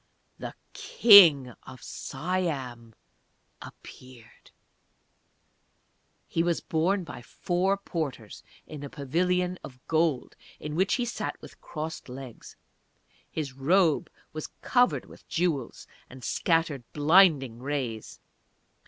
The King of Siam appeared. He was borne by four porters in a pavilion of gold, in which he sat with crossed legs. His robe was covered with jewels, and scattered blinding rays.